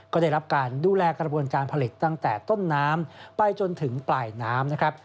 ก็ได้รับการดูแลกระบวนการผลิตตั้งแต่ต้นน้ำไปจนถึงปลายน้ำนะครับ